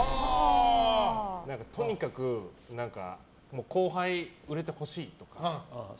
とにかく後輩、売れてほしいと。